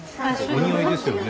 お似合いですよね。